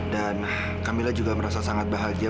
dan kamilah juga merasa sangat bahagia